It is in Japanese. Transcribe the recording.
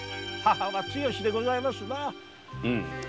「母は強し」でございますな。